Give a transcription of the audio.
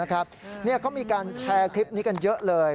เขามีการแชร์คลิปนี้กันเยอะเลย